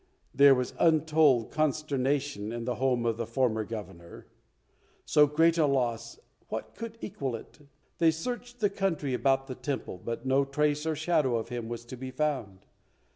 There was untold consternation in the home of the former governor. So great a loss, what could equal it? They searched the country about the temple, but no trace or shadow of him was to be found.